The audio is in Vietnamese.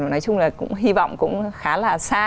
nói chung là cũng hy vọng cũng khá là xa